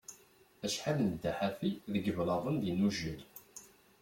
Acḥal nedda ḥafi deg iblaḍen d inujal.